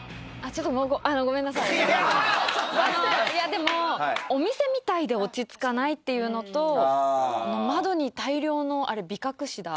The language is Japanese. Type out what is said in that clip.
でもお店みたいで落ち着かないっていうのと窓に大量のあれビカクシダ？